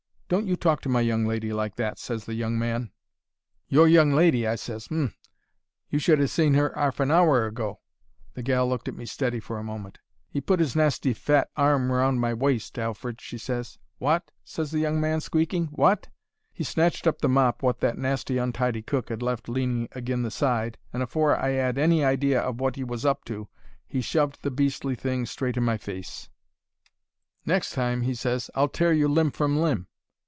"'Don't you talk to my young lady like that,' ses the young man. "'Your young lady?' I ses. 'H'mm! You should ha' seen 'er 'arf an hour ago.' "The gal looked at me steady for a moment. "'He put 'is nasty fat arm round my waist, Alfred,' she ses. "'Wot!' ses the young man, squeaking. 'WOT!' "He snatched up the mop wot that nasty, untidy cook 'ad left leaning agin the side, and afore I 'ad any idea of wot 'e was up to he shoved the beastly thing straight in my face. "'Next time,' he ses, 'I'll tear you limb from limb!'